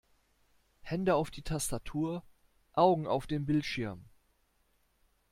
Hände auf die Tastatur, Augen auf den Bildschirm!